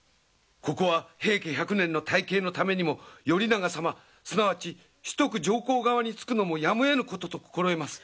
ここは平家百年の大計のためにも頼長様すなわち崇徳上皇側につくのもやむをえぬことと心得ます。